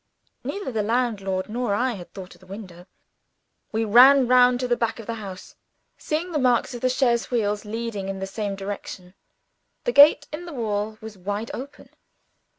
Neither the landlord nor I had thought of the window. We ran round to the back of the house; seeing the marks of the chaise wheels leading in the same direction. The gate in the wall was wide open.